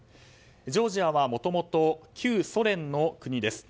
ジョージアはもともと旧ソ連の国です。